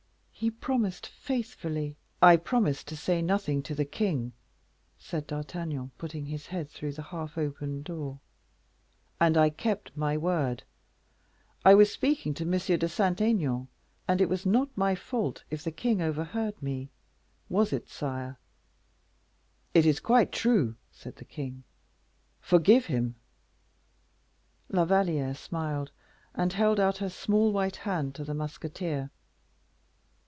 "He promised faithfully " "I promised not to say anything to the king," said D'Artagnan, putting his head through the half opened door, "and I kept my word; I was speaking to M. de Saint Aignan, and it was not my fault if the king overheard me; was it, sire?" "It is quite true," said the king; "forgive him." La Valliere smiled, and held out her small white hand to the musketeer.